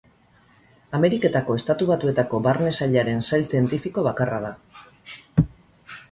Ameriketako Estatu Batuetako Barne Sailaren sail zientifiko bakarra da.